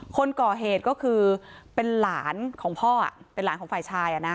คนก่อเหตุก็คือเป็นหลานของพ่อเป็นหลานของฝ่ายชาย